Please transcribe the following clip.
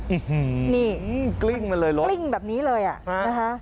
อื้อหือนี่กลิ้งมาเลยรถกลิ้งแบบนี้เลยอ่ะฮะนะคะ